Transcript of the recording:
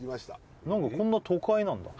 何かこんな都会なんだ